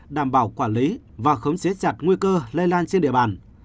đảm bảo quản lý và khống chế chặt nguy cơ lây lan trên địa bàn